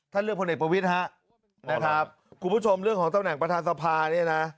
ท่านเรียกผลในประวิทธิ์ฮะคุณผู้ชมเรื่องของตำแหน่งประธานสภาเนี่ยนะ